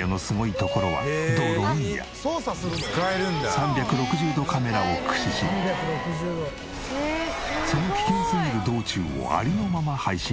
亜のすごいところはドローンや３６０度カメラを駆使しその危険すぎる道中をありのまま配信。